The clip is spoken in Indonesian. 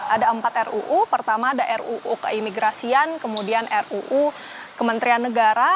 ada empat ruu pertama ada ruu keimigrasian kemudian ruu kementerian negara